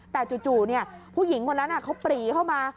แต่จู่ผู้หญิงคนนั้นเขาปรีเข้ามา